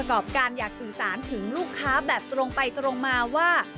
รอบการอยากสื่อสารถึงลูกค้าแบบตรงไปตรงมาว่า